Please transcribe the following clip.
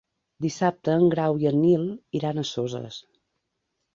Dissabte en Grau i en Nil iran a Soses.